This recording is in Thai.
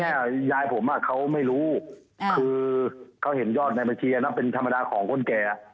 ยายผมอ่ะเขาไม่รู้คือเขาเห็นยอดในบัญชีนะเป็นธรรมดาของคนแก่